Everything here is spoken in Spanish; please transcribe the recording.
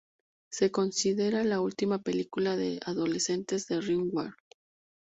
Se considera la última película de adolescentes de Ringwald.